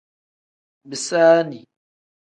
Bisaani.